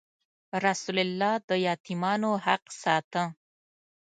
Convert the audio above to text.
رسول الله د یتیمانو حق ساته.